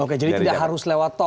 oke jadi tidak harus lewat tol